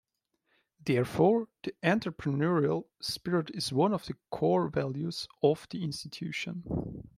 Therefore, the entrepreneurial spirit is one of the core values of the institution.